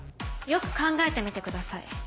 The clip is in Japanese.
よく考えてみてください。